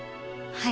はい。